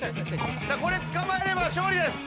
これ捕まえれば勝利です。